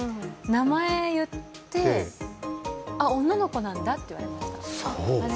名前言って、あっ、女の子なんだって言われました。